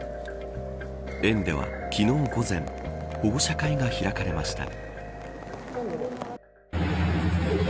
園では昨日、午前保護者会が開かれました。